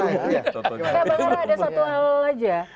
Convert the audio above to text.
bang arang ada satu hal saja